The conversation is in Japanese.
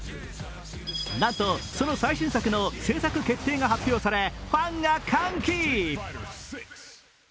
なんと、その最新作の制作決定が発表され、ファンが歓喜。